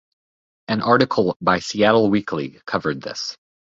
An article by "Seattle Weekly" covered this.